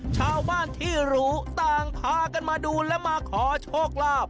ชาวบ้านที่รู้ต่างพากันมาดูและมาขอโชคลาภ